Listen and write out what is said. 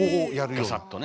ガサッとね。